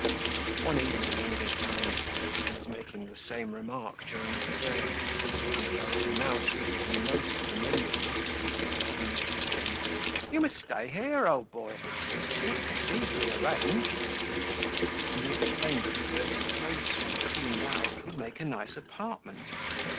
One evening, when he had dined there, and was making the same remark during the dessert, Coupeau, who now treated him most familiarly, suddenly exclaimed: "You must stay here, old boy, if it suits you. It's easily arranged." And he explained that the dirty clothes room, cleaned out, would make a nice apartment.